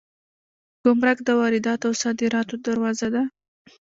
ګمرک د وارداتو او صادراتو دروازه ده